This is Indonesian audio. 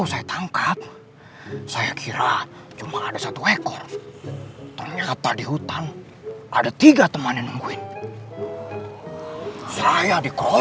sampai jumpa di video selanjutnya